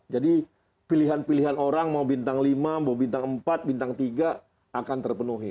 jadi pilihan pilihan orang mau bintang lima mau bintang empat bintang tiga akan terpenuhi